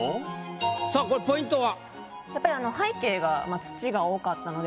さぁこれポイントは？